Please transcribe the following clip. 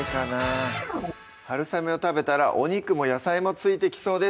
はるさめを食べたらお肉も野菜も付いてきそうです